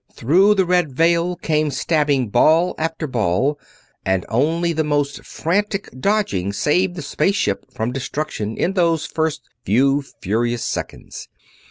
Through the red veil came stabbing ball after ball, and only the most frantic dodging saved the space ship from destruction in those first few furious seconds.